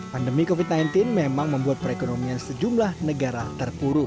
pandemi covid sembilan belas memang membuat perekonomian sejumlah negara terpuruk